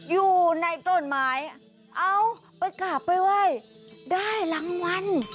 อยู่ในต้นไม้เอาไปกราบไปไหว้ได้รางวัล